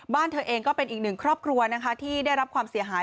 เธอเองก็เป็นอีกหนึ่งครอบครัวนะคะที่ได้รับความเสียหาย